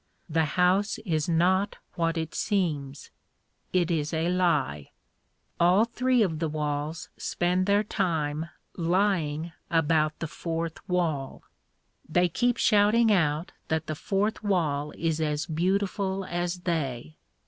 The house is not what it seems. It is a lie. All three of the walls spend their time lying about the fourth wall. They keep shouting out that the fourth wall is as beautiful as they.